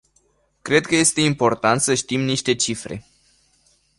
Cred că este important să știm niște cifre.